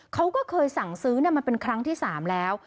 เขาก็เคยสั่งซื้อเนี่ยมันเป็นครั้งที่สามแล้ว